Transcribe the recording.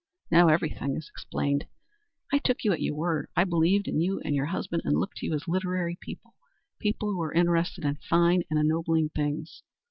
Now everything is explained. I took you at your word; I believed in you and your husband and looked up to you as literary people people who were interested in fine and ennobling things.